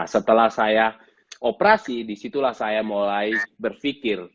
setelah saya operasi disitulah saya mulai berpikir